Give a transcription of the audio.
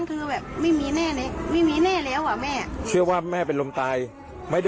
อืมแล้วก็ช่วงเย็นที่ผ่านมานะคะ